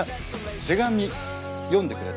手紙読んでくれた？